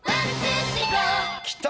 きた！